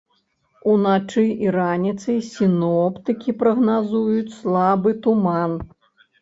Уначы і раніцай сіноптыкі прагназуюць слабы туман.